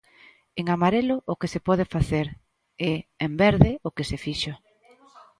En amarelo, o que se pode facer; e, en verde, o que se fixo.